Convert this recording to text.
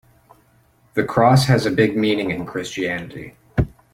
The cross has a big meaning in Christianity.